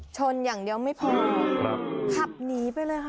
ชนอย่างเดียวไม่พอครับขับหนีไปเลยค่ะ